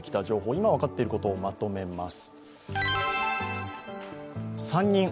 今、分かっていることをまとめます